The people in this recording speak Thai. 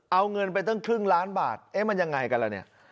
เอาเงินไปตั้งครึ่งล้านบาทเอ๊ะมันยังไงกันล่ะเนี่ย